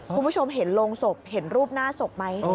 คุณผู้ชมเห็นโรงศพเห็นรูปหน้าศพไหม